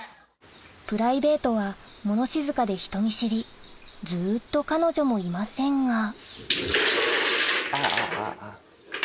プライベートは物静かで人見知りずっと彼女もいませんがああああ。